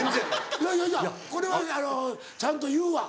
いやいやいやこれはあのちゃんと言うわ。